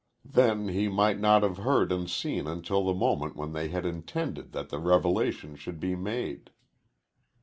Then he might not have heard and seen until the moment when they had intended that the revelation should be made.